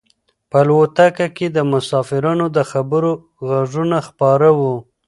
په الوتکه کې د مسافرانو د خبرو غږونه خپاره وو.